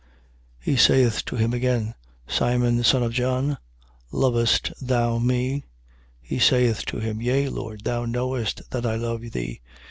He saith to him again: Simon, son of John, lovest thou me? He saith to him: yea, Lord, thou knowest that I love thee.